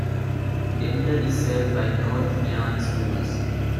Denver is served by North Miami Schools.